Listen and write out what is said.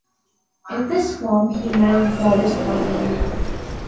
In this form he married goddess Parvati.